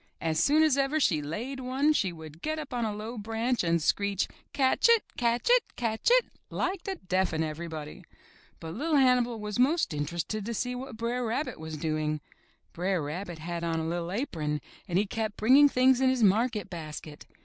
As soon as ever she had laid one she would get up on a low branch and screech, "Catch it! Catch it! Catch it!" like to deafen everybody. 141 MY BOOK HOUSE But LiT Hannibal was most interested to see what Br'er Rabbit was doing. Br*er Rabbit had on a liT apron, and he kept bringing things in his market basket.